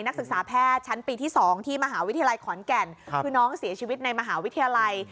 นักศึกษาแพทย์ชั้นปีที่๒ที่มหาวิทยาลัยขอนแก่นคือน้องเสียชีวิตในมหาวิทยาลัย